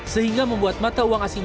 sehingga membuat mata wang